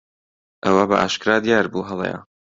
ئەوە بەئاشکرا دیار بوو هەڵەیە.